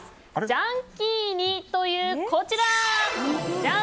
ジャンキーに！という、こちら。